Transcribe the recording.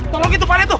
tolong gitu pade tuh